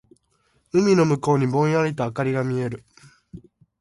海の向こうにぼんやりと灯りが見える。